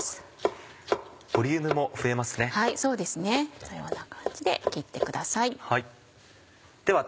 このような感じで切ってください。